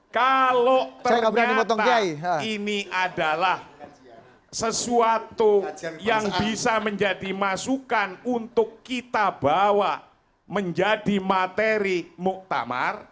kalau ternyata ini adalah sesuatu yang bisa menjadi masukan untuk kita bawa menjadi materi muktamar